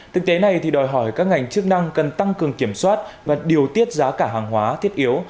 thực tế này thì đòi hỏi các ngành chức năng cần tăng cường kiểm soát và điều tiết giá cả hàng hóa thiết yếu